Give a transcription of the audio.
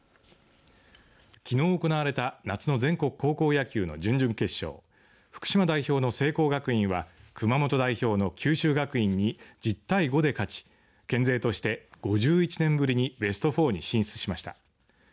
きのう行われた夏の全国高校野球の準々決勝福島代表の聖光学院は熊本代表の九州学院に１０対５で勝ち県勢として５１年ぶりにベスト４に進出しました。